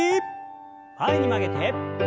前に曲げて。